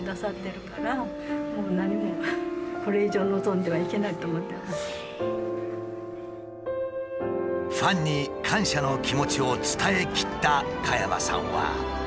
でもファンに感謝の気持ちを伝えきった加山さんは。